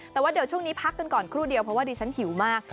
แต่ว่าเดี๋ยวช่วงนี้พักกันก่อนครู่เดียวเพราะว่าดิฉันหิวมาก